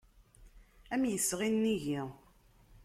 Am yesɣi nnig-i.